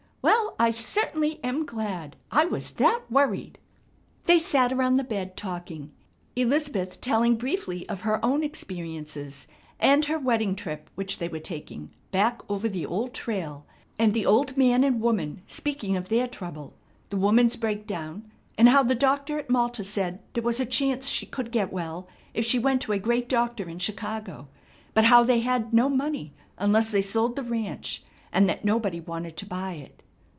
Well, I certainly am glad! I was that worried !" They sat around the bed talking, Elizabeth telling briefly of her own experiences and her wedding trip which they were taking back over the old trail, and the old man and woman speaking of their trouble, the woman's breakdown and how the doctor at Malta said there was a chance she could get well if she went to a great doctor in Chicago, but how they had no money unless they sold the ranch and that nobody wanted to buy it.